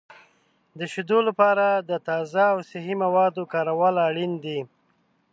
د شیدو لپاره د تازه او صحي موادو کارول اړین دي.